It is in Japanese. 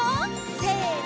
せの！